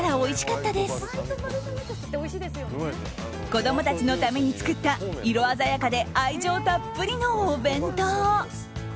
子供たちのために作った色鮮やかで愛情たっぷりのお弁当。